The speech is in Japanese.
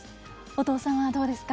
音尾さんはどうですか？